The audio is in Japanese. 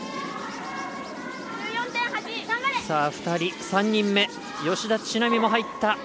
２人、３人目吉田知那美も入った。